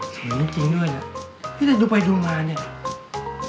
เธออย่างงี้จริงด้วยนะที่แต่ดูไปดูมาเนี้ย